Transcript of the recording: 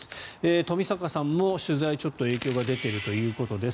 冨坂さんも取材にちょっと影響が出ているということです。